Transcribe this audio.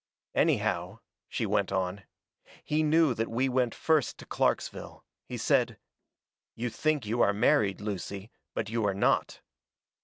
"Anyhow," she went on, "he knew that we went first to Clarksville. He said: "'You think you are married, Lucy, but you are not.'